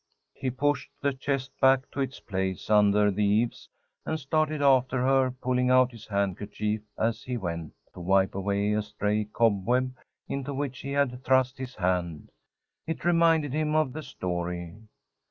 He pushed the chest back to its place under the eaves and started after her, pulling out his handkerchief as he went, to wipe away a stray cobweb into which he had thrust his hand. It reminded him of the story.